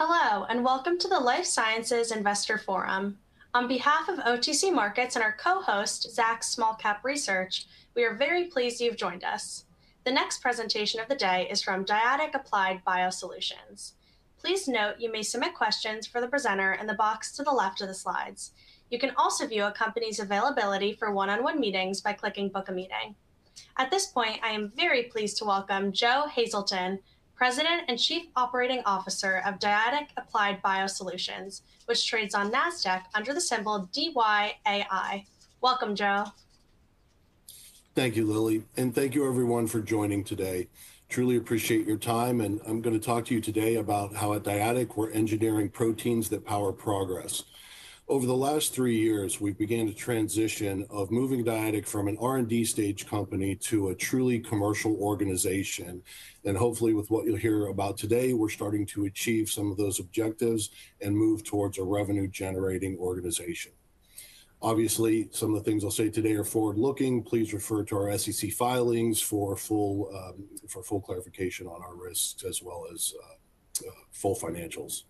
Hello, and welcome to the Life Sciences Investor Forum. On behalf of OTC Markets and our co-host, Zacks Small Cap Research, we are very pleased you've joined us. The next presentation of the day is from Dyadic Applied BioSolutions. Please note you may submit questions for the presenter in the box to the left of the slides. You can also view a company's availability for one-on-one meetings by clicking Book a Meeting. At this point, I am very pleased to welcome Joe Hazelton, President and Chief Operating Officer of Dyadic Applied BioSolutions, which trades on Nasdaq under the symbol DYAI. Welcome, Joe. Thank you, Lily, and thank you everyone for joining today. Truly appreciate your time, and I'm gonna talk to you today about how at Dyadic we're engineering proteins that power progress. Over the last three years, we began to transition of moving Dyadic from an R&D stage company to a truly commercial organization. Hopefully, with what you'll hear about today, we're starting to achieve some of those objectives and move towards a revenue-generating organization. Obviously, some of the things I'll say today are forward-looking. Please refer to our SEC filings for full clarification on our risks as well as full financials.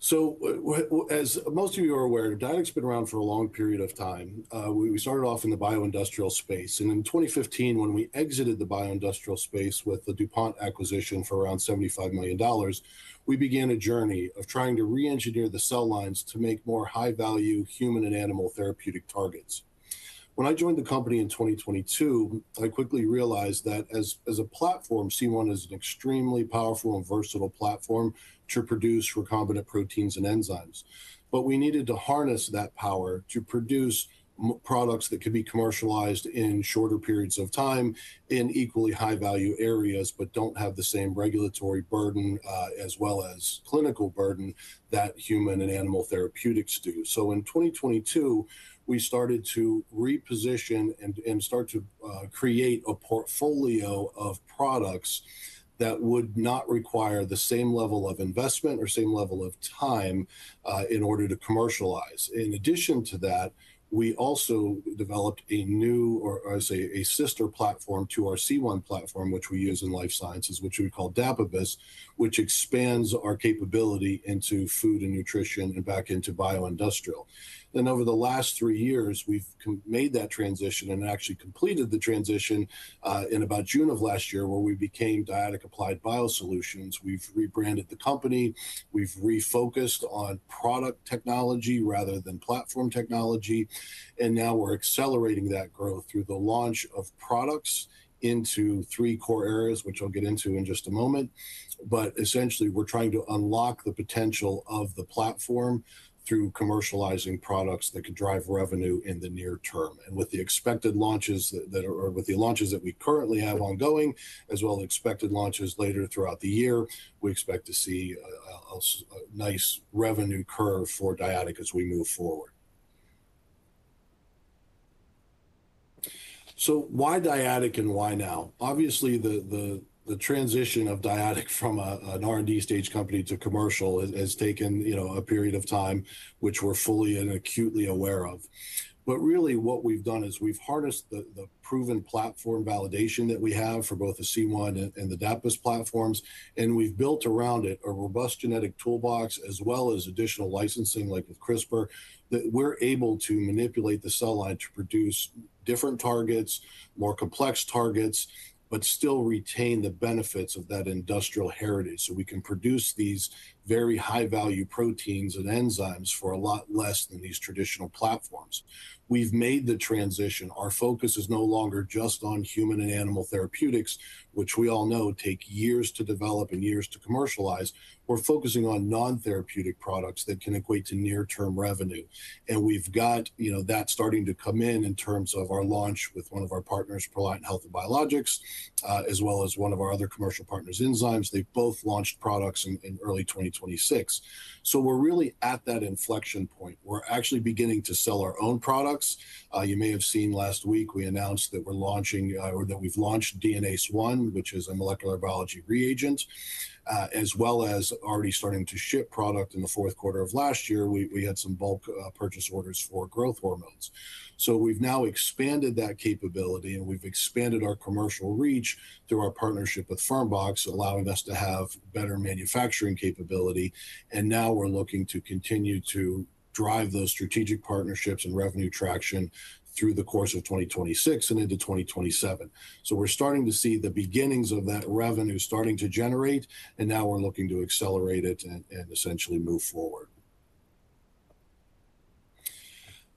As most of you are aware, Dyadic's been around for a long period of time. We started off in the bioindustrial space, and in 2015 when we exited the bioindustrial space with the DuPont acquisition for around $75 million, we began a journey of trying to re-engineer the cell lines to make more high-value human and animal therapeutic targets. When I joined the company in 2022, I quickly realized that as a platform, C1 is an extremely powerful and versatile platform to produce recombinant proteins and enzymes. We needed to harness that power to produce more products that could be commercialized in shorter periods of time in equally high-value areas, but don't have the same regulatory burden as well as clinical burden that human and animal therapeutics do. In 2022, we started to reposition and start to create a portfolio of products that would not require the same level of investment or same level of time in order to commercialize. In addition to that, we also developed a new or say a sister platform to our C1 platform, which we use in life sciences, which we call Dapibus, which expands our capability into food and nutrition and back into bioindustrial. Over the last three years, we've made that transition and actually completed the transition in about June of last year, where we became Dyadic Applied BioSolutions. We've rebranded the company, we've refocused on product technology rather than platform technology, and now we're accelerating that growth through the launch of products into three core areas, which I'll get into in just a moment. Essentially, we're trying to unlock the potential of the platform through commercializing products that could drive revenue in the near term. With the launches that we currently have ongoing, as well as expected launches later throughout the year, we expect to see a nice revenue curve for Dyadic as we move forward. Why Dyadic and why now? Obviously, the transition of Dyadic from an R&D stage company to commercial has taken, you know, a period of time, which we're fully and acutely aware of. Really what we've done is we've harnessed the proven platform validation that we have for both the C1 and the Dapibus platforms, and we've built around it a robust genetic toolbox as well as additional licensing, like with CRISPR, that we're able to manipulate the cell line to produce different targets, more complex targets, but still retain the benefits of that industrial heritage. We can produce these very high-value proteins and enzymes for a lot less than these traditional platforms. We've made the transition. Our focus is no longer just on human and animal therapeutics, which we all know take years to develop and years to commercialize. We're focusing on non-therapeutic products that can equate to near-term revenue. We've got, you know, that starting to come in in terms of our launch with one of our partners, Proliant Health & Biologicals, as well as one of our other commercial partners, Inzymes. They've both launched products in early 2026. We're really at that inflection point. We're actually beginning to sell our own products. You may have seen last week we announced that we're launching or that we've launched DNase I, which is a molecular biology reagent, as well as already starting to ship product in the fourth quarter of last year. We had some bulk purchase orders for growth factors. We've now expanded that capability, and we've expanded our commercial reach through our partnership with Fermbox Bio, allowing us to have better manufacturing capability. Now we're looking to continue to drive those strategic partnerships and revenue traction through the course of 2026 and into 2027. We're starting to see the beginnings of that revenue starting to generate, and now we're looking to accelerate it and essentially move forward.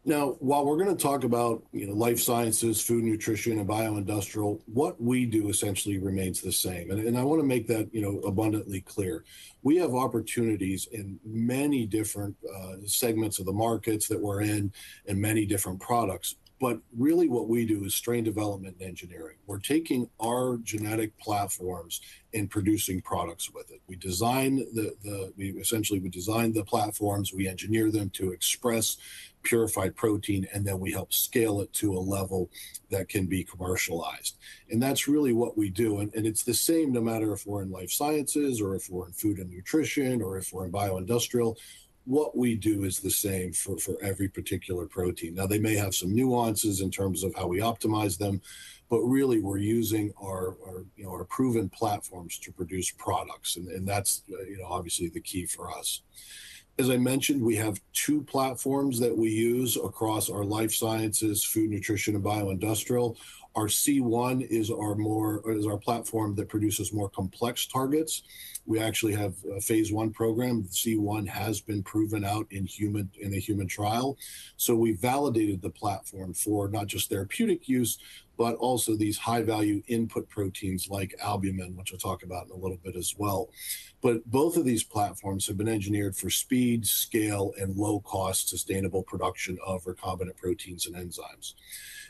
Now, while we're gonna talk about, you know, life sciences, food, nutrition, and bioindustrial, what we do essentially remains the same. I wanna make that, you know, abundantly clear. We have opportunities in many different segments of the markets that we're in and many different products. Really what we do is strain development and engineering. We're taking our genetic platforms and producing products with it. We essentially design the platforms, we engineer them to express purified protein, and then we help scale it to a level that can be commercialized. That's really what we do. It's the same no matter if we're in life sciences or if we're in food and nutrition or if we're in bioindustrial, what we do is the same for every particular protein. Now, they may have some nuances in terms of how we optimize them, but really we're using our proven platforms to produce products. You know, that's obviously the key for us. As I mentioned, we have two platforms that we use across our life sciences, food, nutrition, and bioindustrial. Our C1 is our platform that produces more complex targets. We actually have a phase one program. C1 has been proven out in a human trial. We validated the platform for not just therapeutic use, but also these high-value input proteins like albumin, which I'll talk about in a little bit as well. Both of these platforms have been engineered for speed, scale, and low-cost sustainable production of recombinant proteins and enzymes.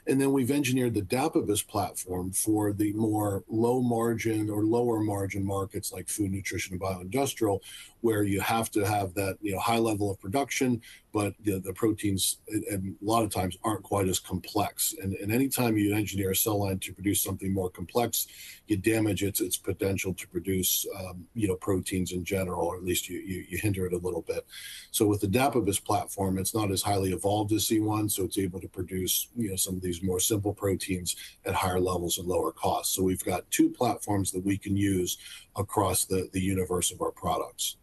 We've engineered the Dapibus platform for the more low-margin or lower-margin markets like food, nutrition, and bioindustrial, where you have to have that, you know, high level of production, but the proteins a lot of times aren't quite as complex. Anytime you engineer a cell line to produce something more complex, you damage its potential to produce, you know, proteins in general, or at least you hinder it a little bit. With the Dapibus platform, it's not as highly evolved as C1, so it's able to produce, you know, some of these more simple proteins at higher levels and lower cost. We've got two platforms that we can use across the universe of our products.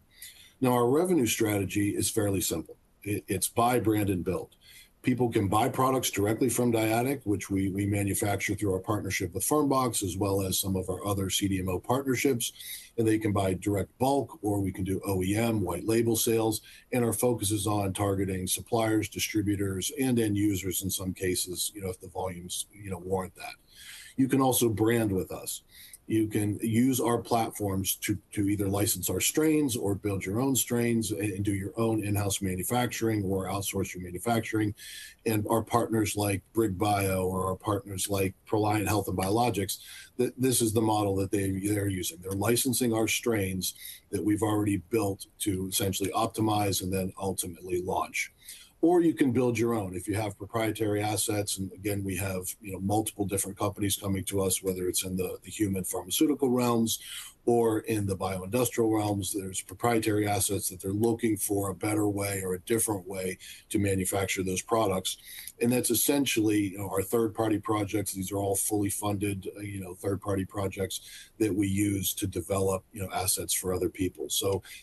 Now, our revenue strategy is fairly simple. It's buy, brand, and build. People can buy products directly from Dyadic, which we manufacture through our partnership with Fermbox, as well as some of our other CDMO partnerships. They can buy direct bulk, or we can do OEM white label sales. Our focus is on targeting suppliers, distributors, and end users in some cases, you know, if the volumes, you know, warrant that. You can also brand with us. You can use our platforms to either license our strains or build your own strains and do your own in-house manufacturing or outsource your manufacturing. Our partners like BRIG BIO or our partners like Proliant Health & Biologicals, this is the model that they're using. They're licensing our strains that we've already built to essentially optimize and then ultimately launch. You can build your own if you have proprietary assets. Again, we have, you know, multiple different companies coming to us, whether it's in the human pharmaceutical realms or in the bioindustrial realms. There's proprietary assets that they're looking for a better way or a different way to manufacture those products. That's essentially, you know, our third-party projects. These are all fully funded, you know, third-party projects that we use to develop, you know, assets for other people.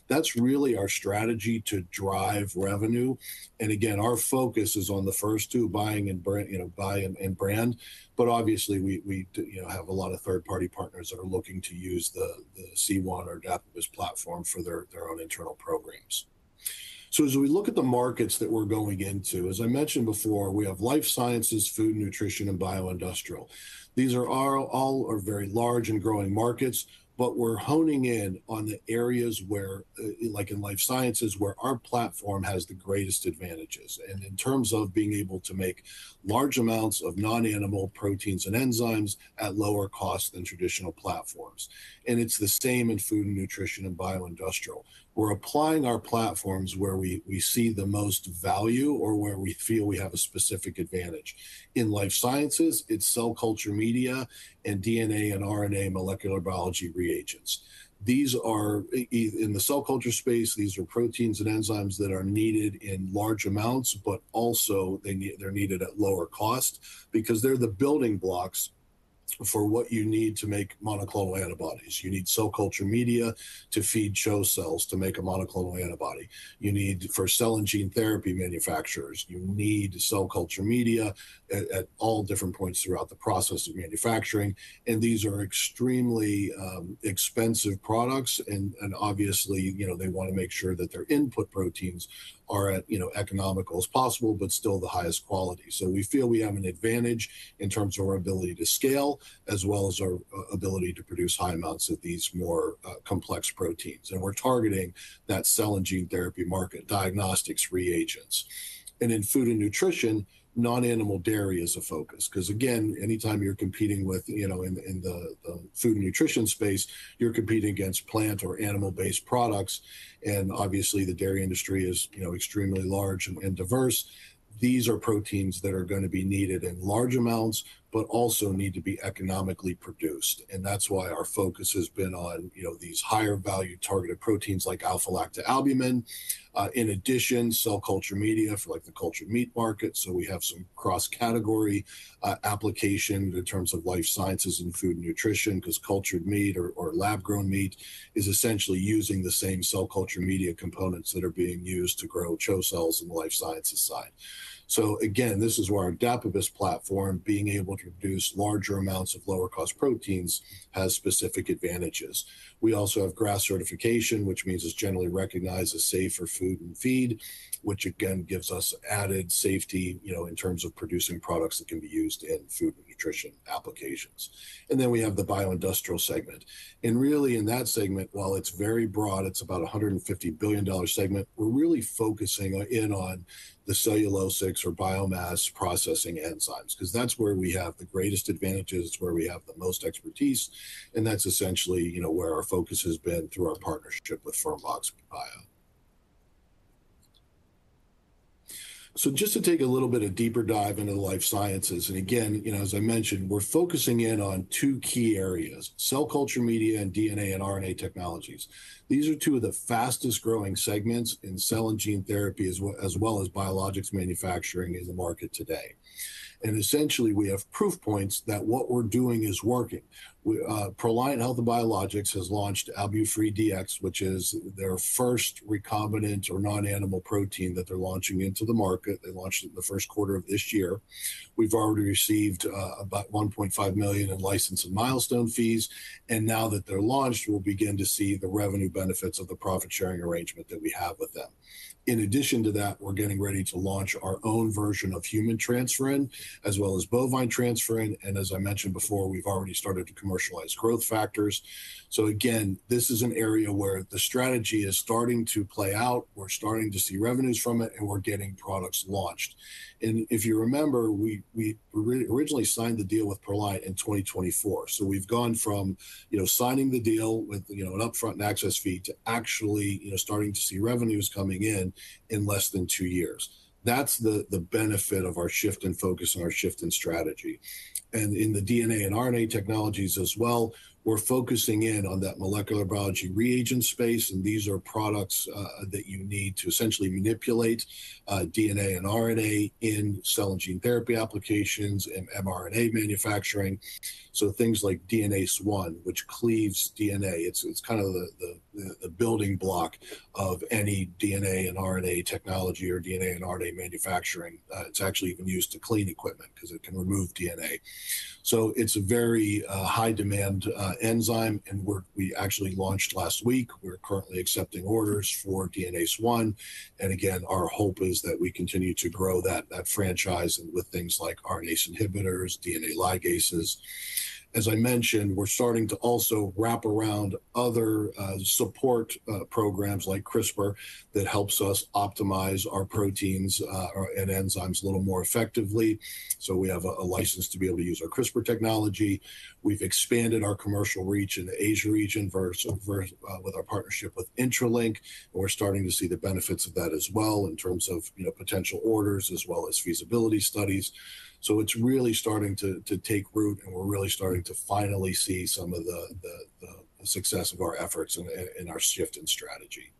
That's really our strategy to drive revenue. Again, our focus is on the first two, buy and build, you know. Obviously we do, you know, have a lot of third-party partners that are looking to use the C1 or Dapibus platform for their own internal programs. As we look at the markets that we're going into, as I mentioned before, we have life sciences, food and nutrition, and bioindustrial. These are all very large and growing markets, but we're honing in on the areas where, like in life sciences, where our platform has the greatest advantages. In terms of being able to make large amounts of non-animal proteins and enzymes at lower cost than traditional platforms. It's the same in food and nutrition and bioindustrial. We're applying our platforms where we see the most value or where we feel we have a specific advantage. In life sciences, it's cell culture media and DNA and RNA molecular biology reagents. These are in the cell culture space, these are proteins and enzymes that are needed in large amounts, but also they're needed at lower cost because they're the building blocks for what you need to make monoclonal antibodies. You need cell culture media to feed CHO cells to make a monoclonal antibody. You need, for cell and gene therapy manufacturers, you need cell culture media at all different points throughout the process of manufacturing. These are extremely expensive products. Obviously, you know, they wanna make sure that their input proteins are at, you know, economical as possible, but still the highest quality. We feel we have an advantage in terms of our ability to scale, as well as our ability to produce high amounts of these more complex proteins. We're targeting that cell and gene therapy market, diagnostic reagents. In food and nutrition, non-animal dairy is a focus 'cause again, anytime you're competing with, you know, in the food and nutrition space, you're competing against plant or animal-based products. Obviously the dairy industry is, you know, extremely large and diverse. These are proteins that are gonna be needed in large amounts, but also need to be economically produced. That's why our focus has been on, you know, these higher value targeted proteins like alpha-lactalbumin. In addition, cell culture media for like the cultured meat market. We have some cross-category application in terms of life sciences and food and nutrition 'cause cultured meat or lab-grown meat is essentially using the same cell culture media components that are being used to grow CHO cells in the life sciences side. Again, this is where our Dapibus platform being able to produce larger amounts of lower cost proteins has specific advantages. We also have GRAS certification, which means it's generally recognized as safe for food and feed, which again gives us added safety, you know, in terms of producing products that can be used in food and nutrition applications. Then we have the bioindustrial segment. Really in that segment, while it's very broad, it's about a $150 billion segment, we're really focusing in on the cellulosics or biomass processing enzymes 'cause that's where we have the greatest advantages. It's where we have the most expertise, and that's essentially, you know, where our focus has been through our partnership with Fermbox Bio. Just to take a little bit of deeper dive into the life sciences, and again, you know, as I mentioned, we're focusing in on two key areas, cell culture media and DNA and RNA technologies. These are two of the fastest growing segments in cell and gene therapy as well as biologics manufacturing in the market today. Essentially, we have proof points that what we're doing is working. Proliant Health & Biologicals has launched AlbuFree DX, which is their first recombinant or non-animal protein that they're launching into the market. They launched it in the first quarter of this year. We've already received about $1.5 million in license and milestone fees, and now that they're launched, we'll begin to see the revenue benefits of the profit-sharing arrangement that we have with them. In addition to that, we're getting ready to launch our own version of human transferrin as well as bovine transferrin, and as I mentioned before, we've already started to commercialize growth factors. Again, this is an area where the strategy is starting to play out. We're starting to see revenues from it, and we're getting products launched. If you remember, we originally signed the deal with Proliant in 2024. We've gone from, you know, signing the deal with, you know, an upfront and access fee to actually, you know, starting to see revenues coming in in less than two years. That's the benefit of our shift in focus and our shift in strategy. In the DNA and RNA technologies as well, we're focusing in on that molecular biology reagent space, and these are products that you need to essentially manipulate DNA and RNA in cell and gene therapy applications and mRNA manufacturing. Things like DNase I, which cleaves DNA. It's kind of the building block of any DNA and RNA technology or DNA and RNA manufacturing. It's actually even used to clean equipment 'cause it can remove DNA. It's a very high demand enzyme, and we actually launched last week. We're currently accepting orders for DNase I, and again, our hope is that we continue to grow that franchise and with things like RNase inhibitors, DNA ligases. As I mentioned, we're starting to also wrap around other support programs like CRISPR that helps us optimize our proteins or enzymes a little more effectively. We have a license to be able to use our CRISPR technology. We've expanded our commercial reach in the Asia region with our partnership with Intralink, and we're starting to see the benefits of that as well in terms of, you know, potential orders as well as feasibility studies. It's really starting to take root, and we're really starting to finally see some of the success of our efforts and our shift in strategy.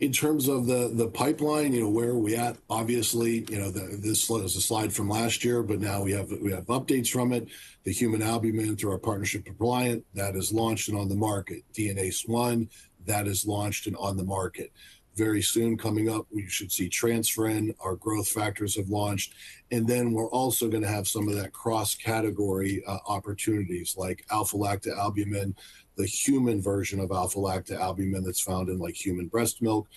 In terms of the pipeline, you know, where are we at? Obviously, you know, this slide is a slide from last year, but now we have updates from it. The human albumin through our partnership with Proliant, that is launched and on the market. DNase I, that is launched and on the market. Very soon coming up, you should see transferrin. Our growth factors have launched. We're also gonna have some of that cross-category, opportunities like alpha-lactalbumin. The human version of alpha-lactalbumin that's found in like human breast milk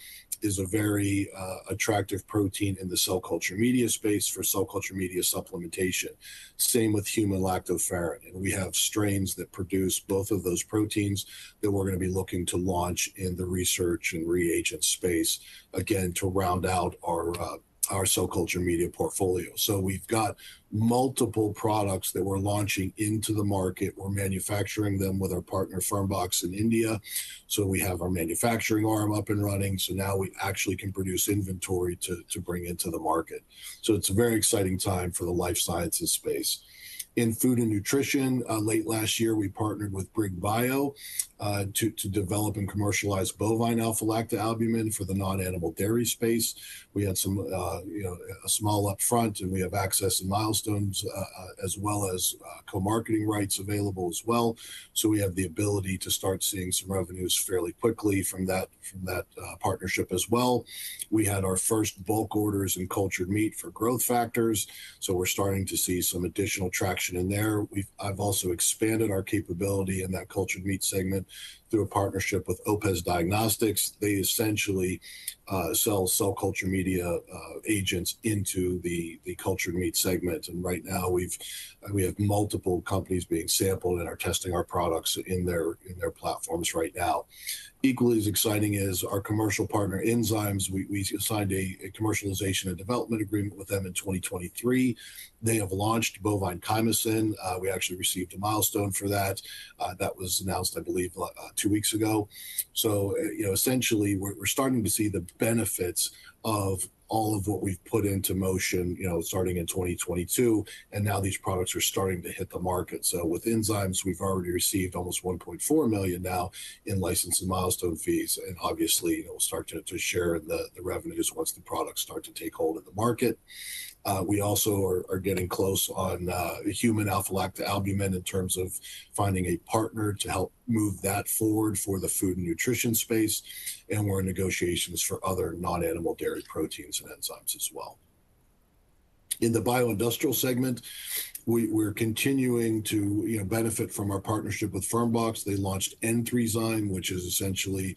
is a very attractive protein in the cell culture media space for cell culture media supplementation. Same with human lactoferrin. We have strains that produce both of those proteins that we're gonna be looking to launch in the research and reagent space, again, to round out our cell culture media portfolio. We've got multiple products that we're launching into the market. We're manufacturing them with our partner, Fermbox, in India. We have our manufacturing arm up and running, now we actually can produce inventory to bring into the market. It's a very exciting time for the life sciences space. In food and nutrition, late last year, we partnered with BRIG BIO to develop and commercialize bovine alpha-lactalbumin for the non-animal dairy space. We had some, you know, a small up front, and we have access to milestones as well as co-marketing rights available as well. We have the ability to start seeing some revenues fairly quickly from that partnership as well. We had our first bulk orders in cultured meat for growth factors, so we're starting to see some additional traction in there. I've also expanded our capability in that cultured meat segment through a partnership with Opes Diagnostics. They essentially sell cell culture media agents into the cultured meat segment. Right now we have multiple companies being sampled and are testing our products in their platforms right now. Equally as exciting is our commercial partner, Inzymes. We signed a commercialization and development agreement with them in 2023. They have launched bovine chymosin. We actually received a milestone for that. That was announced, I believe, two weeks ago. You know, essentially we're starting to see the benefits of all of what we've put into motion, you know, starting in 2022, and now these products are starting to hit the market. With Inzymes, we've already received almost $1.4 million now in license and milestone fees, and obviously we'll start to share the revenues once the products start to take hold in the market. We also are getting close on human alpha-lactalbumin in terms of finding a partner to help move that forward for the food and nutrition space, and we're in negotiations for other non-animal dairy proteins and enzymes as well. In the bioindustrial segment, we're continuing to, you know, benefit from our partnership with Fermbox Bio. They launched EN3ZYME, which is essentially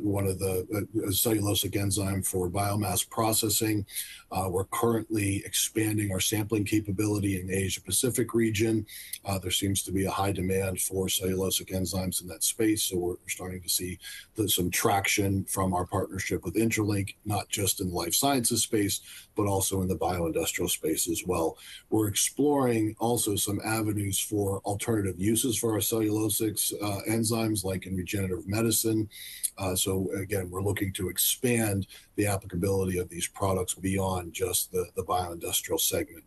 one of the cellulosic enzyme for biomass processing. We're currently expanding our sampling capability in the Asia-Pacific region. There seems to be a high demand for cellulosic enzymes in that space, so we're starting to see some traction from our partnership with Intralink, not just in the life sciences space, but also in the bioindustrial space as well. We're exploring also some avenues for alternative uses for our cellulase enzymes, like in regenerative medicine. So again, we're looking to expand the applicability of these products beyond just the bioindustrial segment.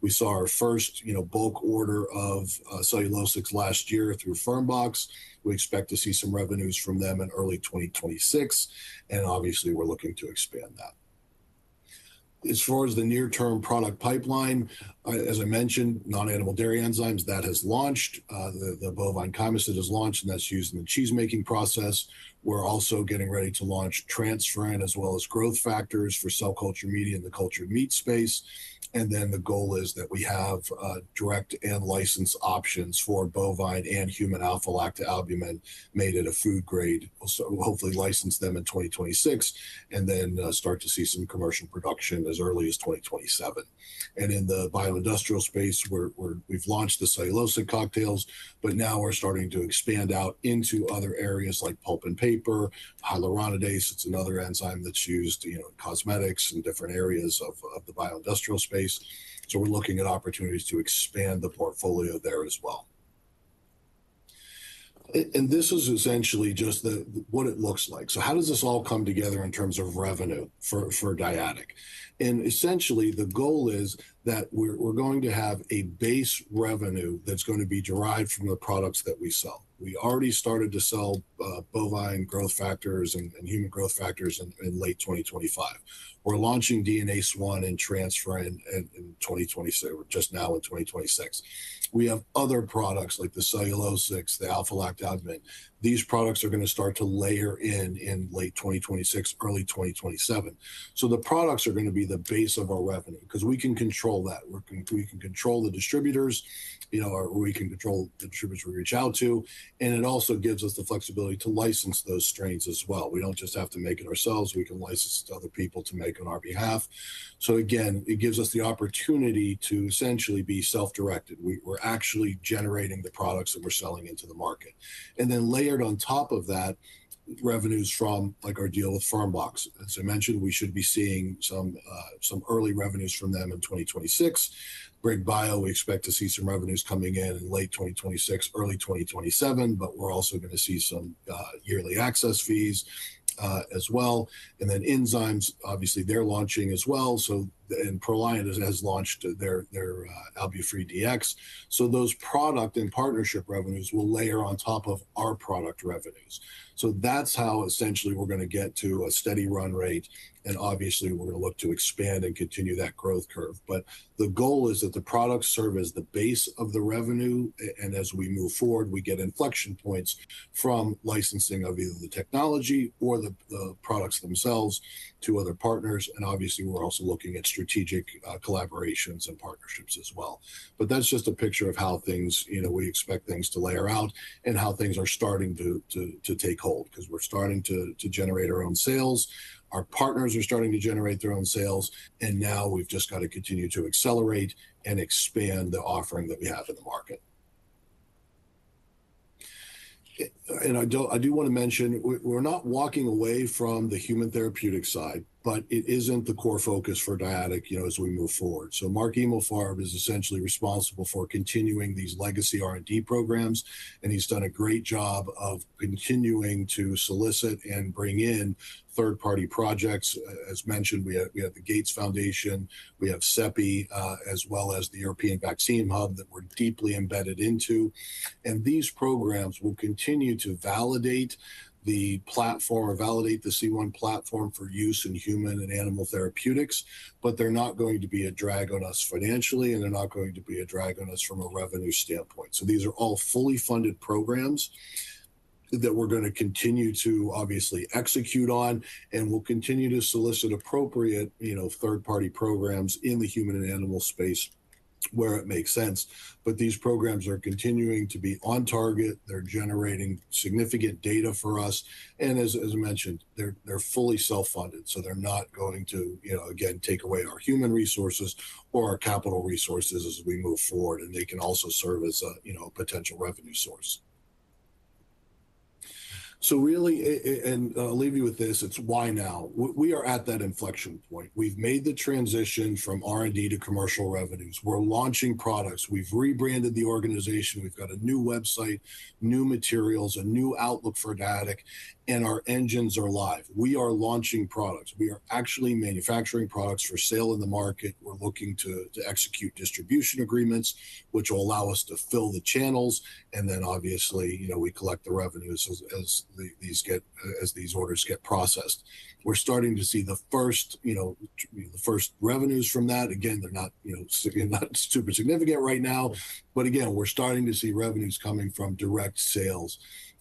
We saw our first, you know, bulk order of cellulases last year through Fermbox. We expect to see some revenues from them in early 2026, and obviously we're looking to expand that. As far as the near-term product pipeline, as I mentioned, non-animal dairy enzymes, that has launched. The bovine chymosin has launched, and that's used in the cheesemaking process. We're also getting ready to launch transferrin as well as growth factors for cell culture media and the cultured meat space. Then the goal is that we have direct and licensed options for bovine and human alpha-lactalbumin made at a food grade. Also, we'll hopefully license them in 2026 and then start to see some commercial production as early as 2027. In the bioindustrial space, we've launched the cellulosic cocktails, but now we're starting to expand out into other areas like pulp and paper. Hyaluronidase, it's another enzyme that's used, you know, in cosmetics and different areas of the bioindustrial space. We're looking at opportunities to expand the portfolio there as well. This is essentially just what it looks like. How does this all come together in terms of revenue for Dyadic? Essentially, the goal is that we're going to have a base revenue that's going to be derived from the products that we sell. We already started to sell bovine growth factors and human growth factors in late 2025. We're launching DNase I and transferrin just now in 2026. We have other products like the cellulosics, the alpha-lactalbumin. These products are gonna start to layer in in late 2026, early 2027. The products are gonna be the base of our revenue 'cause we can control that. We can control the distributors, you know, or we can control the distributors we reach out to, and it also gives us the flexibility to license those strains as well. We don't just have to make it ourselves. We can license other people to make on our behalf. Again, it gives us the opportunity to essentially be self-directed. We're actually generating the products that we're selling into the market. Then layered on top of that, revenues from like our deal with Fermbox Bio. As I mentioned, we should be seeing some some early revenues from them in 2026. BRIG BIO, we expect to see some revenues coming in in late 2026, early 2027, but we're also gonna see some yearly access fees as well. Then enzymes, obviously they're launching as well, so Proliant has launched their AlbuFree DX. Those product and partnership revenues will layer on top of our product revenues. That's how essentially we're gonna get to a steady run rate, and obviously we're gonna look to expand and continue that growth curve. The goal is that the products serve as the base of the revenue and as we move forward, we get inflection points from licensing of either the technology or the products themselves to other partners. Obviously, we're also looking at strategic collaborations and partnerships as well. That's just a picture of how things, you know, we expect things to layer out and how things are starting to take hold 'cause we're starting to generate our own sales. Our partners are starting to generate their own sales, and now we've just got to continue to accelerate and expand the offering that we have in the market. I do wanna mention we're not walking away from the human therapeutic side, but it isn't the core focus for Dyadic, you know, as we move forward. Mark Emalfarb is essentially responsible for continuing these legacy R&D programs, and he's done a great job of continuing to solicit and bring in third-party projects. As mentioned, we have the Gates Foundation, we have CEPI, as well as the European Vaccine Hub that we're deeply embedded into. These programs will continue to validate the platform or validate the C1 platform for use in human and animal therapeutics, but they're not going to be a drag on us financially, and they're not going to be a drag on us from a revenue standpoint. These are all fully funded programs that we're gonna continue to obviously execute on, and we'll continue to solicit appropriate, you know, third-party programs in the human and animal space where it makes sense. These programs are continuing to be on target. They're generating significant data for us and as I mentioned, they're fully self-funded, so they're not going to, you know, again, take away our human resources or our capital resources as we move forward, and they can also serve as a, you know, potential revenue source. Really and I'll leave you with this. It's why now? We are at that inflection point. We've made the transition from R&D to commercial revenues. We're launching products. We've rebranded the organization. We've got a new website, new materials, a new outlook for Dyadic, and our engines are live. We are launching products. We are actually manufacturing products for sale in the market. We're looking to execute distribution agreements which will allow us to fill the channels and then obviously, you know, we collect the revenues as these orders get processed. We're starting to see the first, you know, the first revenues from that. Again, they're not, you know, again, not super significant right now, but again, we're starting to see revenues coming from direct sales.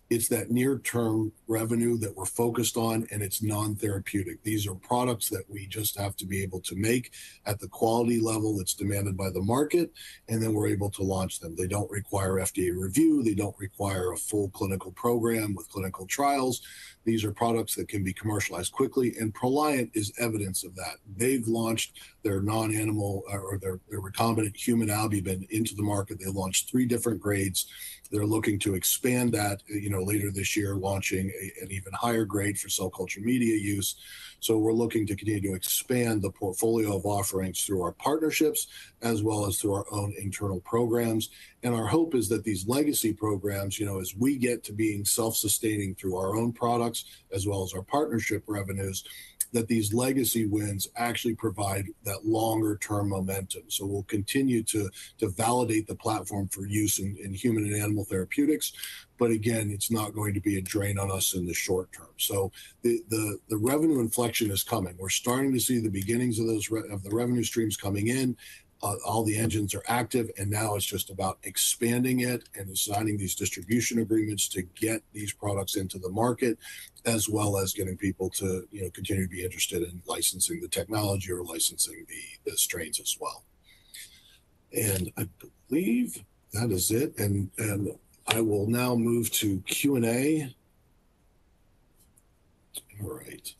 It's that near-term revenue that we're focused on, and it's non-therapeutic. These are products that we just have to be able to make at the quality level that's demanded by the market, and then we're able to launch them. They don't require FDA review. They don't require a full clinical program with clinical trials. These are products that can be commercialized quickly, and Proliant is evidence of that. They've launched their non-animal or their recombinant human albumin into the market. They launched three different grades. They're looking to expand that, you know, later this year, launching an even higher grade for cell culture media use. We're looking to continue to expand the portfolio of offerings through our partnerships as well as through our own internal programs. Our hope is that these legacy programs, you know, as we get to being self-sustaining through our own products as well as our partnership revenues, that these legacy wins actually provide that longer term momentum. We'll continue to validate the platform for use in human and animal therapeutics, but again, it's not going to be a drain on us in the short term. The revenue inflection is coming. We're starting to see the beginnings of those revenue streams coming in. All the engines are active, and now it's just about expanding it and signing these distribution agreements to get these products into the market, as well as getting people to, you know, continue to be interested in licensing the technology or licensing the strains as well. I believe that is it, and I will now move to Q&A. All right.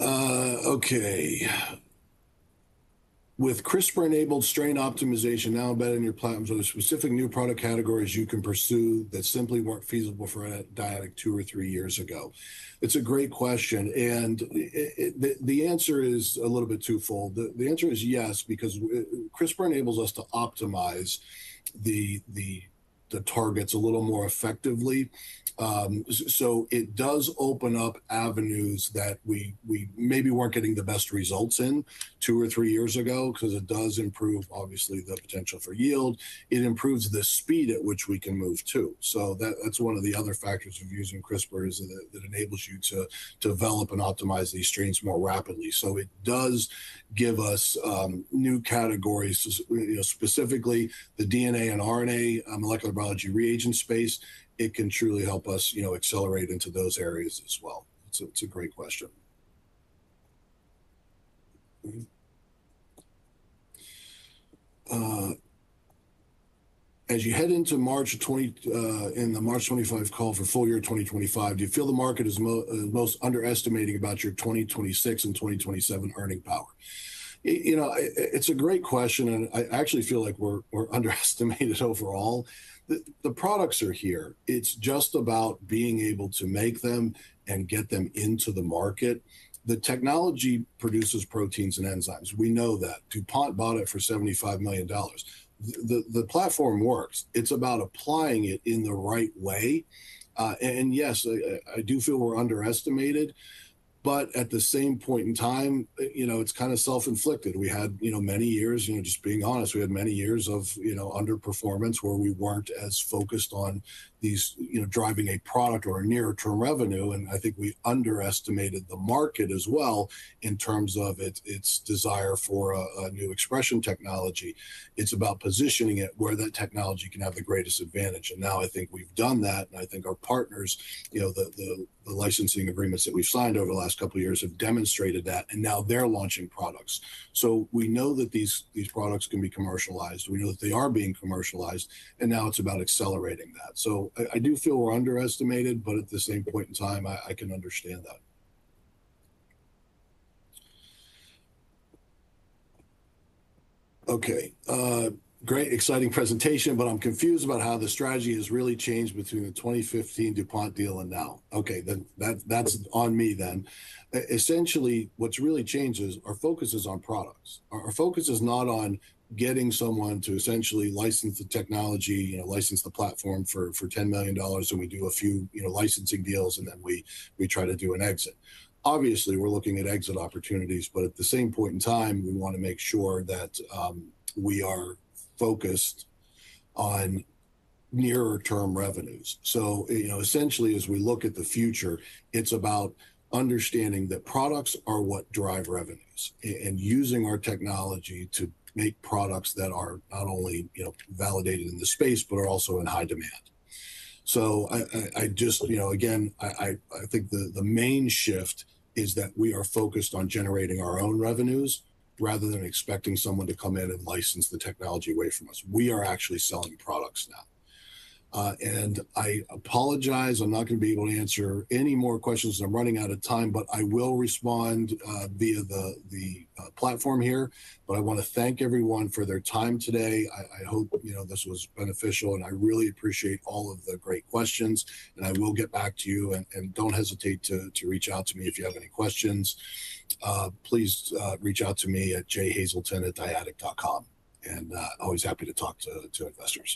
Okay. With CRISPR-enabled strain optimization now embedded in your platforms, are there specific new product categories you can pursue that simply weren't feasible for Dyadic two or three years ago? It's a great question, and the answer is a little bit twofold. The answer is yes, because CRISPR enables us to optimize the targets a little more effectively. So it does open up avenues that we maybe weren't getting the best results in two or three years ago, 'cause it does improve, obviously, the potential for yield. It improves the speed at which we can move too. That's one of the other factors of using CRISPR is that it enables you to develop and optimize these strains more rapidly. It does give us new categories, you know, specifically the DNA and RNA molecular biology reagent space. It can truly help us, you know, accelerate into those areas as well. It's a great question. As you head into March 25 call for full-year 2025, do you feel the market is most underestimating about your 2026 and 2027 earning power? You know, it's a great question, and I actually feel like we're underestimated overall. The products are here. It's just about being able to make them and get them into the market. The technology produces proteins and enzymes. We know that. DuPont bought it for $75 million. The platform works. It's about applying it in the right way. And yes, I do feel we're underestimated, but at the same point in time, you know, it's kinda self-inflicted. We had, you know, many years, you know, just being honest, we had many years of, you know, underperformance where we weren't as focused on these, you know, driving a product or a near-term revenue. I think we underestimated the market as well in terms of its desire for a new expression technology. It's about positioning it where that technology can have the greatest advantage. Now I think we've done that, and I think our partners, you know, the licensing agreements that we've signed over the last couple of years have demonstrated that, and now they're launching products. We know that these products can be commercialized. We know that they are being commercialized, and now it's about accelerating that. I do feel we're underestimated, but at the same point in time, I can understand that. Okay. Great, exciting presentation, but I'm confused about how the strategy has really changed between the 2015 DuPont deal and now. Okay. That's on me then. Essentially, what's really changed is our focus is on products. Our focus is not on getting someone to essentially license the technology and license the platform for $10 million, and we do a few, you know, licensing deals, and then we try to do an exit. Obviously, we're looking at exit opportunities, but at the same point in time, we wanna make sure that we are focused on nearer term revenues. You know, essentially, as we look at the future, it's about understanding that products are what drive revenues and using our technology to make products that are not only, you know, validated in the space but are also in high demand. I just, you know, again, I think the main shift is that we are focused on generating our own revenues rather than expecting someone to come in and license the technology away from us. We are actually selling products now. I apologize, I'm not gonna be able to answer any more questions, and I'm running out of time, but I will respond via the platform here. I wanna thank everyone for their time today. I hope, you know, this was beneficial, and I really appreciate all of the great questions. I will get back to you and don't hesitate to reach out to me if you have any questions. Please reach out to me at jhazelton@dyadic.com, and always happy to talk to investors.